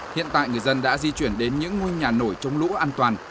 hiện tại người dân đã di chuyển đến những ngôi nhà nổi chống lũ an toàn